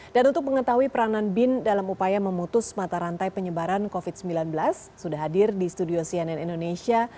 dan untuk mengetahui peranan bin dalam upaya memutus mata rantai penyebaran covid sembilan belas sudah hadir di studio cnn indonesia